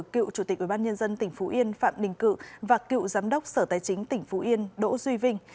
cựu chủ tịch ủy ban nhân dân tỉnh phú yên phạm đình cự và cựu giám đốc sở tài chính tỉnh phú yên đỗ duy vinh